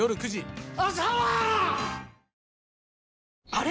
あれ？